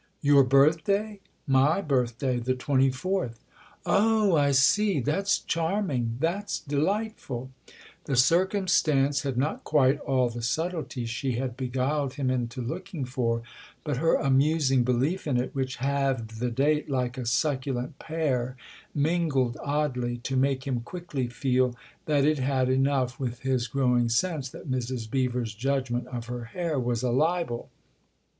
" Your birthday ?" "My birthday the twenty fourth." " Oh I see ; that's charming that's delightful !" The circumstance had not quite all the subtlety she 94 THE OTHER HOUSE had beguiled him into looking for, but her amusing belief in it, which halved the date like a succulent pear, mingled oddly, to make him quickly feel that it had enough, with his growing sense that Mrs. Beever's judgment of her hair was a libel.